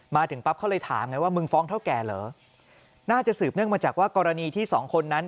มาถึงปั๊บเขาเลยถามไงว่ามึงฟ้องเท่าแก่เหรอน่าจะสืบเนื่องมาจากว่ากรณีที่สองคนนั้น